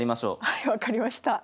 はい分かりました。